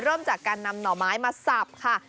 เริ่มจากการนำหน่อไม้มาสับค่ะ